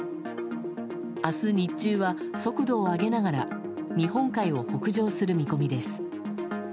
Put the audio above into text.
明日日中は速度を上げながら日本海を北上する見込みです。